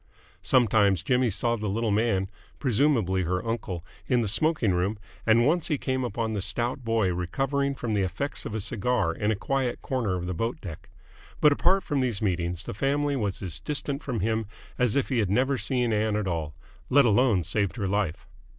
Sometimes Jimmy saw the little man presumably her uncle in the smoking room, and once he came upon the stout boy recovering from the effects of a cigar in a quiet corner of the boat deck: but apart from these meetings the family was as distant from him as if he had never seen Ann at all let alone saved her life.